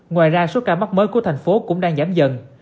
ngoài ra số ca mắc mới của thành phố cũng đang giảm dần